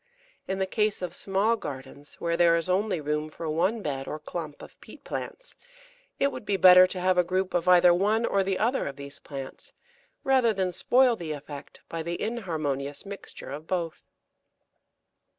In the case of small gardens, where there is only room for one bed or clump of peat plants, it would be better to have a group of either one or the other of these plants, rather than spoil the effect by the inharmonious mixture of both.